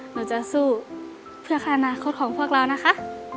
หนูจะสู้เพื่อค่าอนาคตของพวกเรานะคะ